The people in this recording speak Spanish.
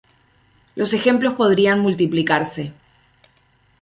Los ejemplos podrían multiplicarse.